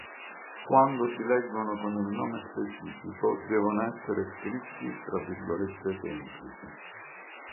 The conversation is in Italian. Quando si leggono con il nome specifico devono essere scritti tra virgolette semplici.